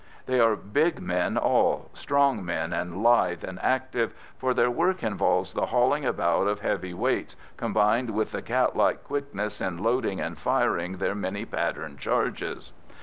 They are big men, all; strong men, and lithe and active, for their work involves the hauling about of heavy weights, combined with cat like quickness in loading and firing their many patterned charges.